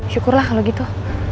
syukurlah kalo gitu